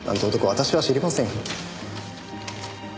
私は知りませんよ。